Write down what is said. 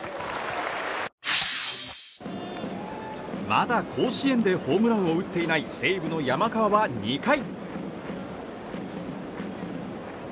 まだ甲子園でホームランを打っていない西武の山川は２回。